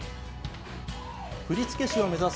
振付師を目指す